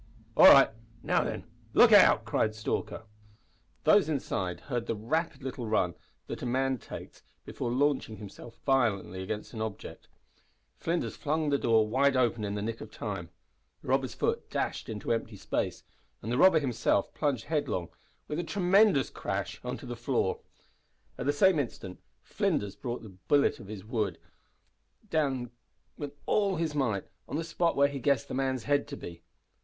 "All right. Now then, look out!" cried Stalker. Those inside heard the rapid little run that a man takes before launching himself violently against an object. Flinders flung the door wide open in the nick of time. The robber's foot dashed into empty space, and the robber himself plunged headlong, with a tremendous crash, on the floor. At the same instant Flinders brought his billet of wood down with all his might on the spot where he guessed the man's head to be.